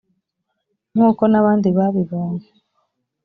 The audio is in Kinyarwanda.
nk uko n abandi babibonye